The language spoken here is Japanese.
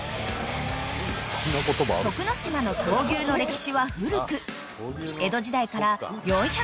［徳之島の闘牛の歴史は古く］